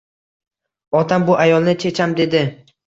Otam bu ayolni checham dedi